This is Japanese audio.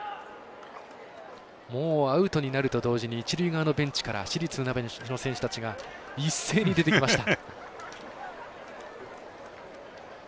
もうアウトになると同時に一塁側のベンチから市立船橋の選手たちが一斉に出てきました。